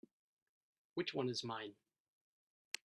Which one is mine?